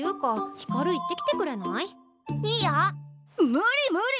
無理無理！